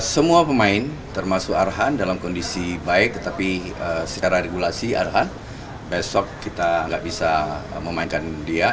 semua pemain termasuk arhan dalam kondisi baik tetapi secara regulasi arhan besok kita nggak bisa memainkan dia